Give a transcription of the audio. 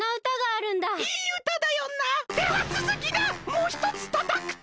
もうひとつたたくと。